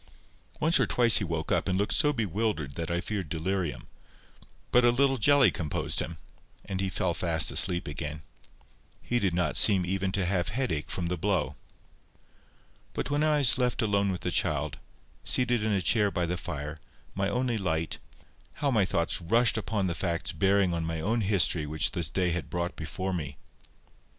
Once or twice he woke up, and looked so bewildered that I feared delirium; but a little jelly composed him, and he fell fast asleep again. He did not seem even to have headache from the blow. But when I was left alone with the child, seated in a chair by the fire, my only light, how my thoughts rushed upon the facts bearing on my own history which this day had brought before me!